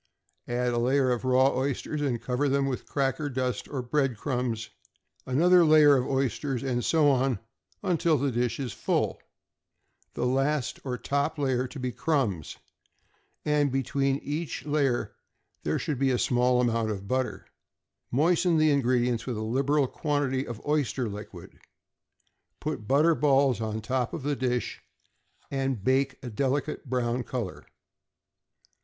Add a layer of raw oysters, and cover them with cracker dust or bread crumbs, and add salt and pepper to taste; another layer of oysters, and so on until the dish is full, the last or top layer to be crumbs, and between each layer there should be a small amount of butter. Moisten the ingredients with a liberal quantity of oyster liquid, put small butter balls on top of the dish, and bake a delicate brown color.